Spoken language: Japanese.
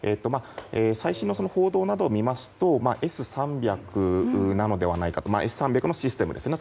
最新の報道などを見ますとＳ３００なのではないかとＳ３００のシステムですね。